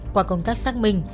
qua công tác xác minh